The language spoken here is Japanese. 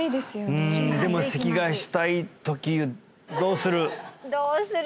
うんでも咳がしたいときどうする？